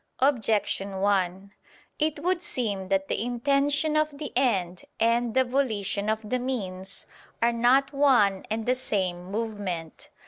Objection 1: It would seem that the intention of the end and the volition of the means are not one and the same movement.